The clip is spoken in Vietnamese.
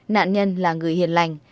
nạn nhân là người hiền lành